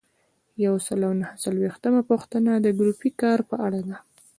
یو سل او نهه څلویښتمه پوښتنه د ګروپي کار په اړه ده.